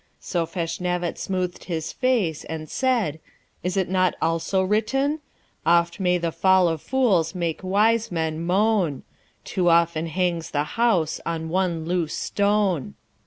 So Feshnavat smoothed his face, and said, 'Is't not also written? "Oft may the fall of fools make wise men moan! Too often hangs the house on one loose stone!"